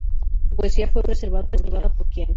Su poesía fue preservada por Qian.